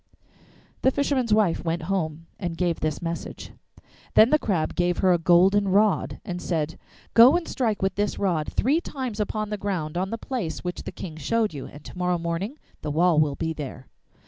The fisherman's wife went home and gave this message. Then the Crab gave her a golden rod, and said, 'Go and strike with this rod three times upon the ground on the place which the King showed you, and to morrow morning the wall will be there.